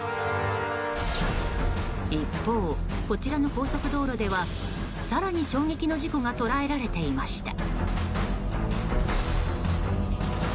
一方、こちらの高速道路では更に衝撃の事故が捉えられていました。